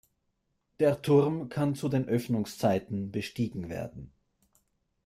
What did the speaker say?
Der Turm kann zu den Öffnungszeiten bestiegen werden.